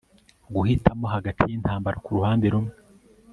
guhitamo hagati yintambara kuruhande rumwe